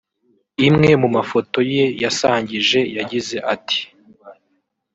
Imwe mu mafoto ye yasangije yagize ati